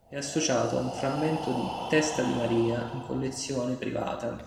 È associato a un frammento di "Testa di Maria" in collezione privata.